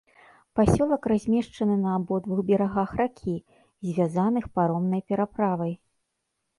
Пасёлак размешчаны на абодвух берагах ракі, звязаных паромнай пераправай.